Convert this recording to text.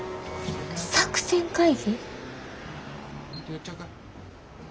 作戦会議？